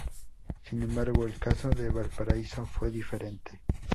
Sin embargo, el caso de Valparaíso fue diferente.